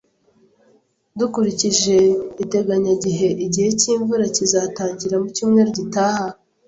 Dukurikije iteganyagihe, igihe cy'imvura kizatangira mu cyumweru gitaha